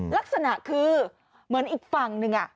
ลักษณะคือเหมือนอีกฝั่งหนึ่ง